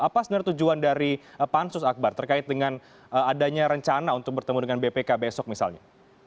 apa sebenarnya tujuan dari pansus akbar terkait dengan adanya rencana untuk bertemu dengan bpk besok misalnya